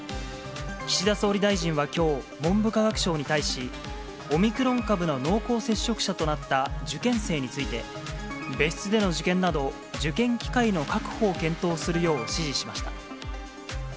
岸田総理大臣はきょう、文部科学省に対し、オミクロン株の濃厚接触者となった受験生について、別室での受験など、受験機会の確保を検討するよう指示しました。